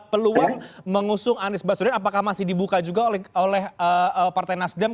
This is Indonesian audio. peluang mengusung anies baswedan apakah masih dibuka juga oleh partai nasdem